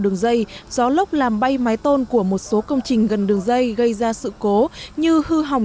đường dây gió lốc làm bay mái tôn của một số công trình gần đường dây gây ra sự cố như hư hỏng